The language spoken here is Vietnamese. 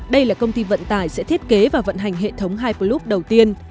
đây là công ty vận tài sẽ thiết kế và vận hành hệ thống hyperloop đầu tiên